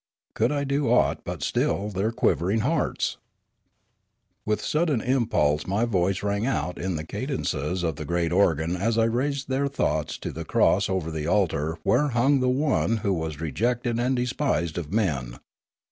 Could I do aught but still their quivering hearts ? With sudden impulse my voice rang out in the cadences of the great organ as I raised their thoughts to the cross over the altar where hung the One who My Education 17 was rejected and despised of men.